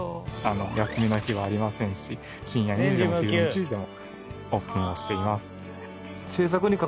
休みの日はありませんし深夜２時でも昼の１時でもオープンをしています。